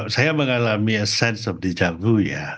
saya mengalami a sense of dijanggu